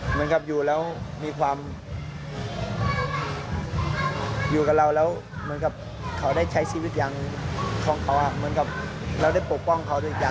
เหมือนเราได้ปกป้องเขาด้วยอย่างหนึ่ง